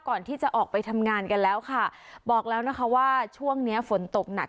ก่อนที่จะออกไปทำงานกันแล้วค่ะบอกแล้วนะคะว่าช่วงเนี้ยฝนตกหนัก